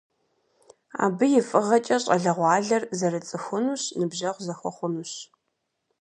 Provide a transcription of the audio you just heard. Абы и фӀыгъэкӀэ щӀалэгъуалэр зэрыцӀыхунущ, ныбжьэгъу зэхуэхъунущ.